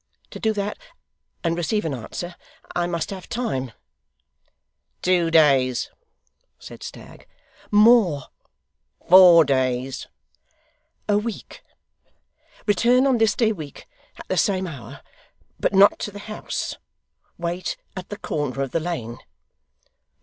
To do that, and receive an answer, I must have time.' 'Two days?' said Stagg. 'More.' 'Four days?' 'A week. Return on this day week, at the same hour, but not to the house. Wait at the corner of the lane.